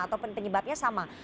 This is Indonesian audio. atau penyebabnya sama